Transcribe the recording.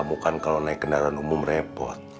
bukan kalau naik kendaraan umum repot